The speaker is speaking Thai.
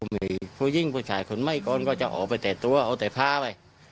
มีผู้หญิงผู้ชายคนใหม่ก่อนก็จะออกไปแต่ตัวเอาแต่ค้าไป